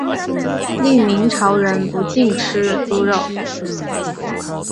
另明朝人不禁吃猪肉。